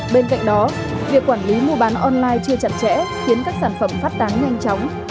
bên cạnh đó việc quản lý mua bán online chưa chặt chẽ khiến các sản phẩm phát tán nhanh chóng